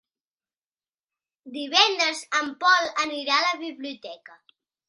Divendres en Pol anirà a la biblioteca.